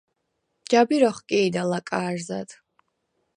ჯაბირ ოხკი̄და ლაკა̄რზად.